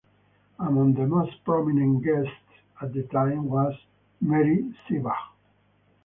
Among the most prominent guests at the time was Marie Seebach.